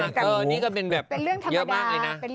เออนี่ก็เป็นแบบเยอะมากเลยนะเป็นเรื่องธรรมดา